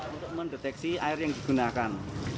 untuk mendeteksi air yang digunakan